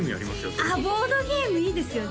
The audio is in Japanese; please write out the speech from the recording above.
それこそボードゲームいいですよね